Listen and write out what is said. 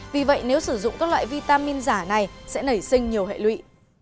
vì vậy nếu sử dụng các loại vitamin giả này sẽ nảy sinh nhiều hệ lụy